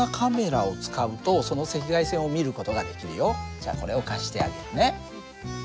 じゃあこれを貸してあげるね。